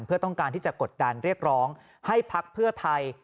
เพื่อต้องการที่จะกดดันเรียกร้องให้พักเพื่อไทย